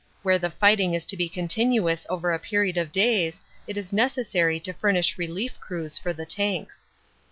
Where the fighting is to be continuous over a period of days it is necessary to furnish relief crews for the tanks.